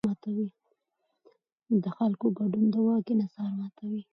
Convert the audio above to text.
د خلکو ګډون د واک انحصار ماتوي